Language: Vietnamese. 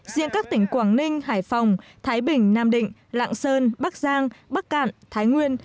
riêng các tỉnh quảng ninh hải phòng thái bình nam định lạng sơn bắc giang bắc cạn thái nguyên